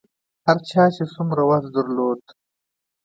هر چا چې څومره وس درلود.